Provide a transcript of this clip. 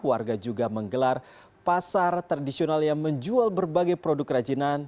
warga juga menggelar pasar tradisional yang menjual berbagai produk kerajinan